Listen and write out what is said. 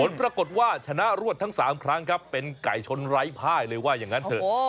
ปรากฏว่าชนะรวดทั้ง๓ครั้งครับเป็นไก่ชนไร้ภายเลยว่าอย่างนั้นเถอะ